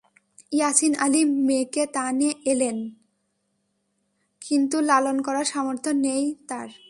ইয়াসিন আলী মেয়েকে তো নিয়ে এলেন, কিন্তু লালন করার সামর্থ্য নেই তাঁর।